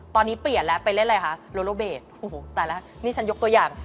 ตอนนี้เปลี่ยนแล้วไปเล่นอะไรคะโลโลเบสโอ้โหตายแล้วนี่ฉันยกตัวอย่าง